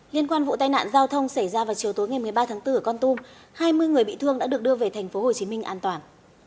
liên quan vụ tai nạn giao thông xảy ra vào chiều tối ngày một mươi ba tháng bốn ở con tum hai mươi người bị thương đã được đưa về tp hcm an toàn